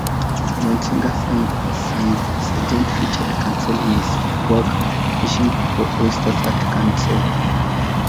John Singer Sargent featured Cancale in his work: "Fishing for Oysters at Cancale".